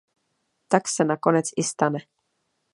Tak se nakonec i stane.